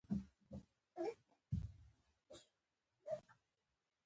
عبارت له دوو یا زیاتو کليمو څخه جوړ يي.